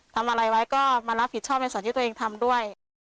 ทำอะไรไว้ก็มารับผิดชอบในส่วนที่ตัวเองทำด้วย